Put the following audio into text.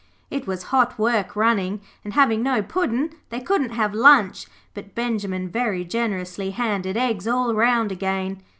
It was hot work running, and having no Puddin' they couldn't have lunch, but Benjimen very generously handed eggs all round again.